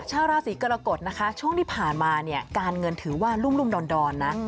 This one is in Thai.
ชาวราศีกรกฎนะคะช่วงที่ผ่านมาเนี่ยการเงินถือว่ารุ่มดอนนะ